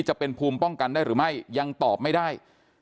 จะเป็นภูมิป้องกันได้หรือไม่ยังตอบไม่ได้